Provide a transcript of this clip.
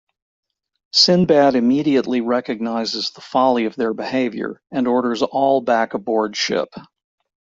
Sinbad immediately recognizes the folly of their behavior and orders all back aboard ship.